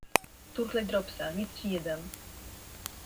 Turlaj dropsa, nic ci nie dam.